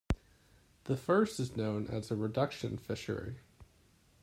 The first is known as a reduction fishery.